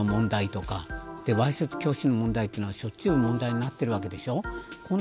わいせつな医師の問題とかわいせつ教師の問題というのはしょっちゅう問題になっているわけでしょう。